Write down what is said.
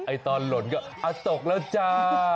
ตอนหล่นก็ตกแล้วจ้า